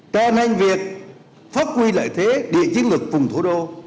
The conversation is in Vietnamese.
cho nên việc phát huy lợi thế địa chiến lược vùng thủ đô